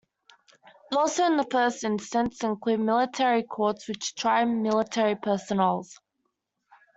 Also in the first instance include military courts, which try military personals.